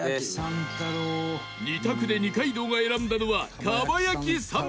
２択で二階堂が選んだのは蒲焼さん